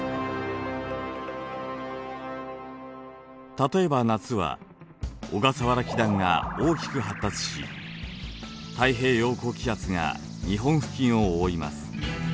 例えば夏は小笠原気団が大きく発達し太平洋高気圧が日本付近を覆います。